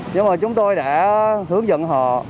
nhưng mà chúng tôi đã hướng dẫn họ